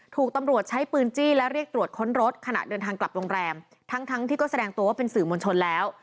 ถูกตำรวจใช้ปืนจี้และเรียกตรวจค้นรถขณะเดินทางกลับโรงแรมทั้งทั้งที่ก็แสดงตัวว่าเป็นสื่อมวลชนแล้ว